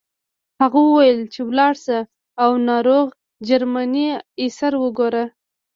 هغه وویل چې لاړ شه او ناروغ جرمنی اسیر وګوره